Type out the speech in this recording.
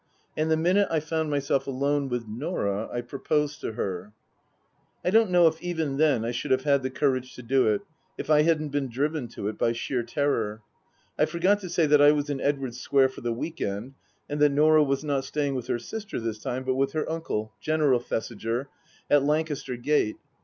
And the minute I found myself alone with Norah I proposed to her. I don't know if even then I should have had the courage to do it if I hadn't been driven to it by sheer terror. I forgot to say that I was in Edwardes Square for the week end and that Norah was not staying with her sister this time, but with her uncle, General Thesiger, at Lancaster Gate.